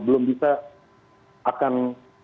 belum bisa akan